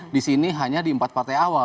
di sini hanya di empat partai awal